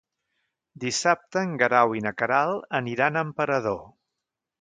Dissabte en Guerau i na Queralt aniran a Emperador.